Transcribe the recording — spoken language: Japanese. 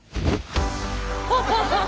ハハハハ！